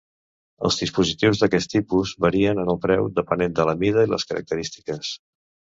Els dispositius d'aquest tipus varien en el preu depenent de la mida i les característiques.